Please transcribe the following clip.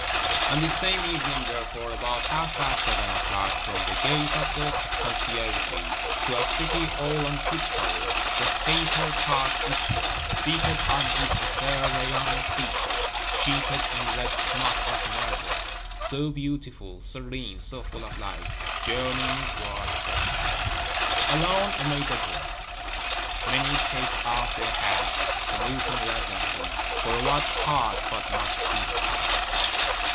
On this same evening, therefore, about half past seven o'clock, from the gate of the Conciergerie, to a City all on tip toe, the fatal Cart issues; seated on it a fair young creature, sheeted in red smock of Murderess; so beautiful, serene, so full of life; journeying toward death, alone amid the World. Many take off their hats, saluting reverently; for what heart but must be touched?